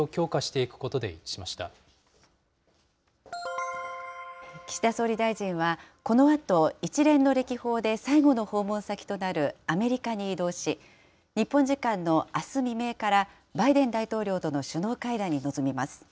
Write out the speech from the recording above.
いくこ岸田総理大臣は、このあと一連の歴訪で最後の訪問先となるアメリカに移動し、日本時間のあす未明からバイデン大統領との首脳会談に臨みます。